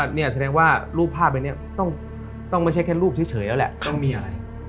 นี่ฉันนะว่ารูปภาพมันต้องไม่ใช่เยอะแหละต้องมีไอ